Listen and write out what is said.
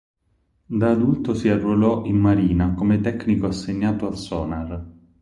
Da adulto si arruolò in Marina come tecnico assegnato al sonar.